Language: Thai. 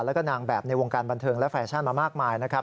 แล้วก็นางแบบในวงการบันเทิงและแฟชั่นมามากมายนะครับ